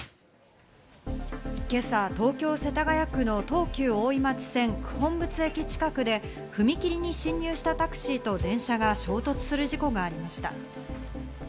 今朝、東京・世田谷区の東急大井町線九品仏駅近くで踏切に進入したタクシーと電車が衝突する事故がありました。